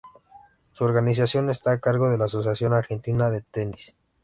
Su organización está a cargo de la Asociación Argentina de Tenis.